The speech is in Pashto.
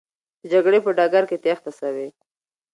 د جګړې په ډګر کې تېښته سوې.